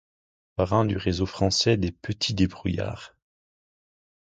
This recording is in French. Parrain du réseau Français des Petits Débrouillards.